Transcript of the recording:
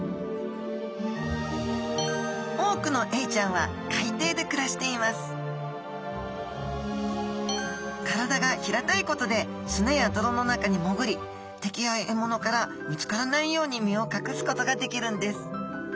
多くのエイちゃんは海底で暮らしています体が平たいことで砂や泥の中に潜り敵や獲物から見つからないように身を隠すことができるんです